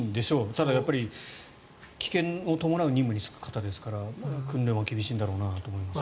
ただ、危険を伴う任務に就く方ですから訓練は厳しいんだろうなと思います。